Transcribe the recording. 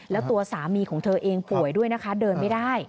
แล้วตัวสามีของเธอเองป่วยด้วยนะคะเดินไม่ได้